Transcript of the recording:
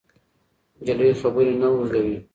نجلۍ خبرې نه اوږدوي.